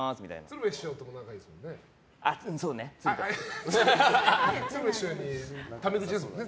鶴瓶師匠とも仲がいいですもんね。